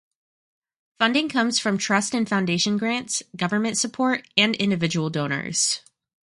Funding comes from trust and foundation grants, government support, and individual donors.